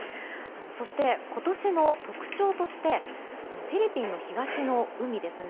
そして今年の特徴としてフィリピンの東の海ですね。